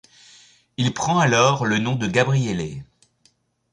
Il prend alors le nom de Gabriele.